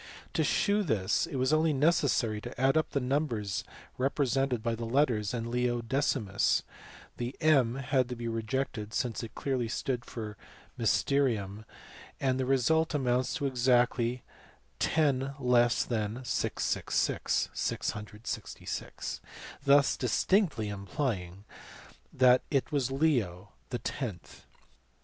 To shew this it was only necessary to add up the numbers represented by the letters in Leo decimus (the in had to be rejected since it clearly stood for mysterUwn) and the result amounts to exactly ten less than 666, thus distinctly implying that it was Leo the tenth.